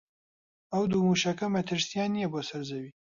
ئەم دوو مووشەکە مەترسییان نییە بۆ سەر زەوی